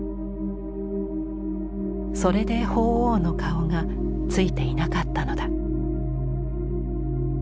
それで鳳凰の顔がついていなかったのだ。